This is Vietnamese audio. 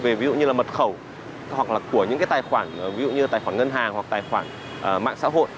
về ví dụ như là mật khẩu hoặc là của những cái tài khoản ví dụ như tài khoản ngân hàng hoặc tài khoản mạng xã hội